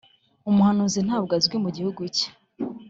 umuhanuzi ntabwo azwi mu gihugu cye .